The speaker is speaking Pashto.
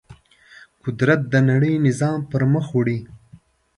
قدرت د نړۍ نظام پر مخ وړي.